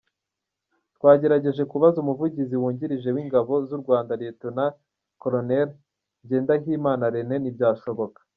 Twagerageje kubaza Umuvugizi wungirije w’ingabo z’u Rwanda Lt Col Ngendahimana René ntibyashoboka.